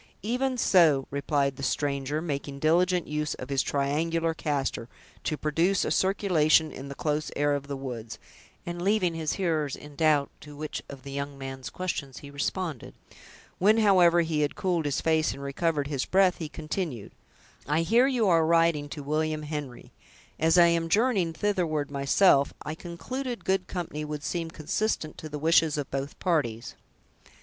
"Even so," replied the stranger, making diligent use of his triangular castor, to produce a circulation in the close air of the woods, and leaving his hearers in doubt to which of the young man's questions he responded; when, however, he had cooled his face, and recovered his breath, he continued, "I hear you are riding to William Henry; as I am journeying thitherward myself, I concluded good company would seem consistent to the wishes of both parties."